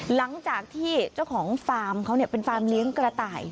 หลังจากที่เจ้าของฟาร์มเขาเป็นฟาร์มเลี้ยงกระต่าย